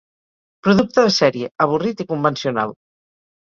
Producte de sèrie, avorrit i convencional.